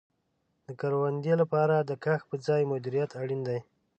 د کروندې لپاره د کښت په ځای مدیریت اړین دی.